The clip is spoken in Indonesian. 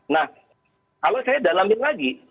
nah kalau saya dalamin lagi